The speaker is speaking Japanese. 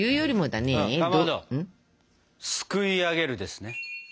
すくいあげるですね。